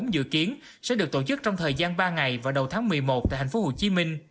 dự kiến sẽ được tổ chức trong thời gian ba ngày vào đầu tháng một mươi một tại tp hcm